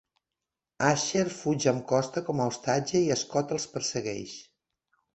Asher fuig amb Costa com a ostatge i Scott els persegueix.